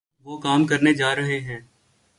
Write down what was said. وہ کام کرنےجارہےہیں